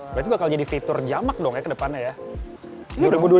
berarti bakal jadi fitur jamak dong ya ke depannya ya